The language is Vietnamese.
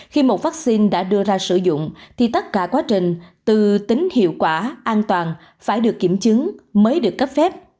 khi một vaccine đã đưa ra sử dụng thì tất cả quá trình từ tính hiệu quả an toàn phải được kiểm chứng mới được cấp phép